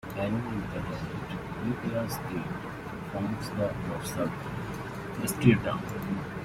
Along with the caudate nucleus it forms the dorsal striatum.